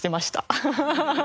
アハハハ。